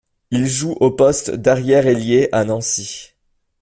Il joue au poste d'arrière ailier à Nancy.